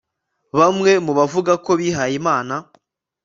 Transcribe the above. bamwe mu bavuga ko bihayimana